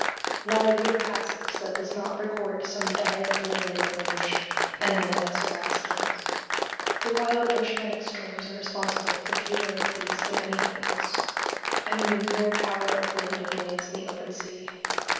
Not a year passes that does not record some dire calamity on the ocean, and many lesser accidents. The wild oceanic storms are responsible for fewer of these than anything else—I mean the mere power of wind and waves in the open sea.